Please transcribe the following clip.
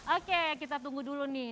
oke kita tunggu dulu nih